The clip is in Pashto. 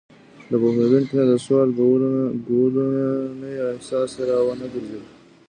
له پوهېدونکي نه د سوال کولو نه یې احساس را ونهګرځوي.